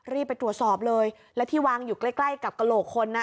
รีบไปตรวจสอบเลยแล้วที่วางอยู่ใกล้ใกล้กับกระโหลกคน